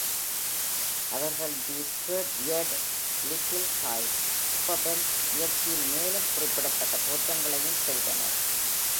அவர்கள் the scared weird little guys superband நிகழ்ச்சியில் மேலும் குறிப்பிடத்தக்க தோற்றங்களையும் செய்தனர்.